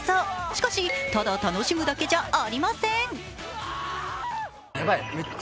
しかし、ただ楽しむだけじゃありません。